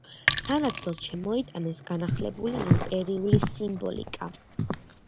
სანაცვლოდ, შემოიტანეს განახლებული იმპერიული სიმბოლიკა.